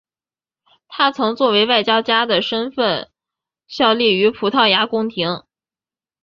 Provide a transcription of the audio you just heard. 他曾作为外交家的身份效力于葡萄牙宫廷。